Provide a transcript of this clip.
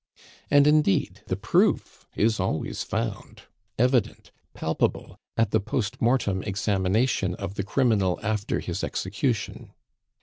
And, indeed, the proof is always found, evident, palpable at the post mortem examination of the criminal after his execution.